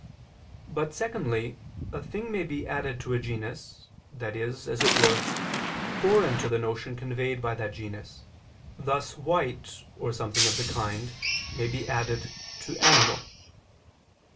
But, secondly, a thing may be added to a genus, that is, as it were, foreign to the notion conveyed by that genus: thus "white" or something of the kind may be added to "animal."